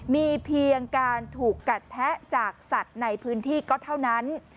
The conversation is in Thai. มีเพียงการถูกกัดแทะจากสัตว์ในพื้นที่ก็เท่านั้น